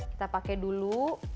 kita pakai dulu